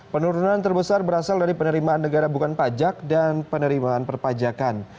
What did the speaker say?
penurunan terbesar berasal dari penerimaan negara bukan pajak dan penerimaan perpajakan